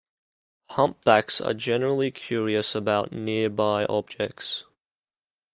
Humpbacks are generally curious about nearby objects.